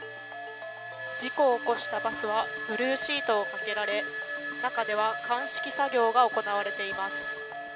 事故を起こしたバスは、ブルーシートをかけられ、中では、鑑識作業が行われています。